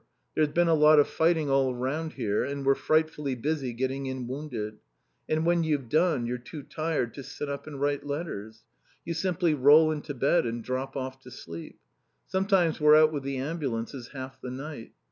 There's been a lot of fighting all round here and we're frightfully busy getting in wounded. And when you've done you're too tired to sit up and write letters. You simply roll into bed and drop off to sleep. Sometimes we're out with the ambulances half the night.